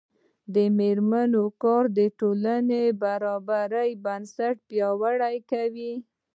د میرمنو کار د ټولنې برابرۍ بنسټ پیاوړی کوي.